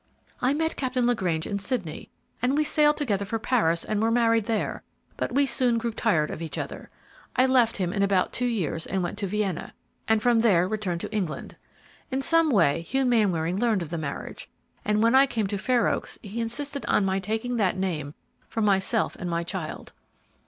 I met Captain LaGrange in Sydney, and we sailed together for Paris and were married there, but we soon grew tired of each other. I left him in about two years and went to Vienna, and from there returned to England. In some way, Hugh Mainwaring learned of the marriage, and when I came to Fair Oaks, he insisted on my taking that name for myself and child."